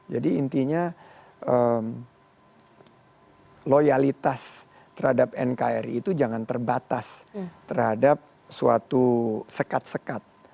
jadi intinya loyalitas terhadap nkri itu jangan terbatas terhadap suatu sekat sekat